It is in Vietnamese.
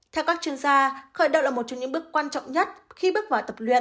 theo các chuyên gia khởi đầu là một trong những bước quan trọng nhất khi bước vào tập luyện